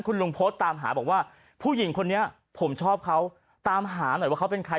คุณลุงโพสต์ตามหาบอกว่าผู้หญิงคนนี้ผมชอบเขาตามหาหน่อยว่าเขาเป็นใคร